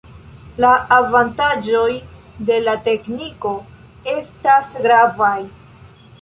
La avantaĝoj de la tekniko estas gravaj.